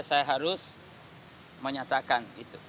saya harus menyatakan itu